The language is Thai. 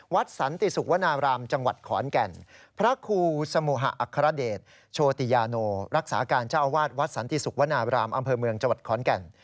วัดสันติสุมกวณารามจังหวัดขอนแก่น